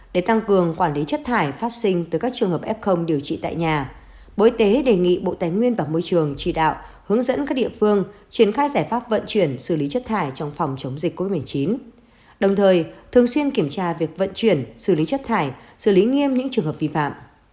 để tăng cường quản lý chất thải phát sinh tới các trường hợp f điều trị tại nhà bộ y tế đề nghị bộ tài nguyên và môi trường chỉ đạo hướng dẫn các địa phương triển khai giải pháp vận chuyển xử lý chất thải trong phòng chống dịch covid một mươi chín đồng thời thường xuyên kiểm tra việc vận chuyển xử lý chất thải xử lý nghiêm những trường hợp vi phạm